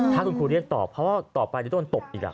ถ้าคุณครูเรียนต่อเพราะว่าต่อไปจะโดนตบอีก